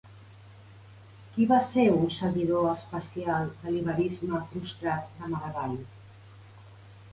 Qui va ser un seguidor especial de l'iberisme frustrat de Maragall?